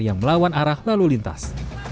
yang melawan arah lalu lintas